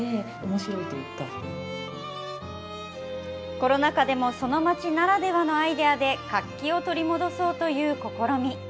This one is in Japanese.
コロナ禍でも、その街ならではのアイデアで活気を取り戻そうという試み。